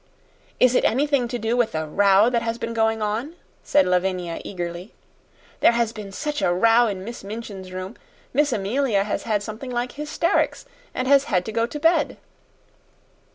"Is it anything to do with the row that has been going on?" said Lavinia, eagerly. "There has been such a row in Miss Minchin's room, Miss Amelia has had something like hysterics and has had to go to bed."